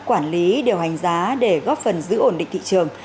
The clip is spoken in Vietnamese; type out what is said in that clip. quản lý điều hành giá để góp phần giữ ổn định thị trường